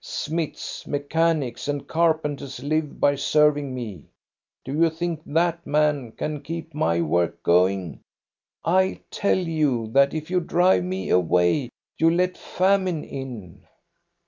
Smiths, mechanics, and carpenters live by serving me. Do you think that man can keep my work going? I tell you that if you drive me away you let famine in."